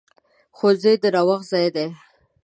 ښوونځی د نوښت ځای دی.